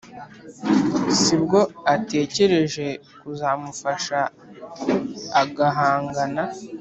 sibwo atekereje kuzamufasha agahangana